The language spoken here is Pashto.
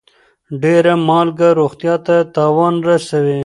ډيره مالګه روغتيا ته تاوان رسوي.